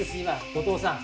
後藤さん。